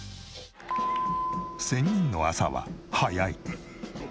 仙人の朝は早い。